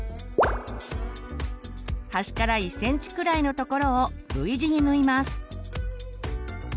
端から１ｃｍくらいのところをＶ字に縫います。